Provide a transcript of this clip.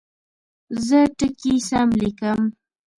زه ټکي سم لیکم.